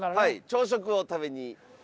朝食を食べに。